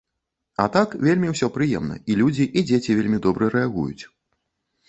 А так вельмі ўсё прыемна, і людзі, і дзеці вельмі добра рэагуюць.